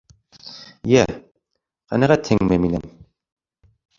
Йә, ҡәнәғәтһеңме минән?